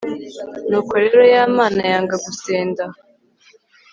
nuko rero ya mana yanga gusenda